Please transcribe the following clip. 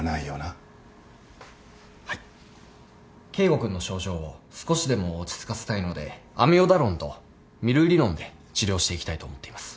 圭吾君の症状を少しでも落ち着かせたいのでアミオダロンとミルリノンで治療していきたいと思っています。